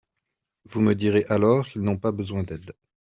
Vous me direz alors qu’ils n’ont pas besoin d’aide.